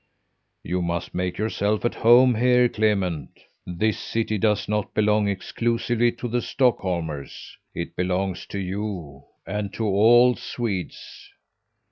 You must make yourself at home here, Clement. This city does not belong exclusively to the Stockholmers. It belongs to you and to all Swedes.